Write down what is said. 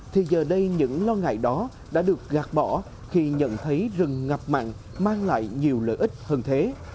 thì giờ đây những lo ngại đó đã được gạt bỏ khi nhận thấy rừng ngập mặn mang lại nhiều lợi ích hơn thế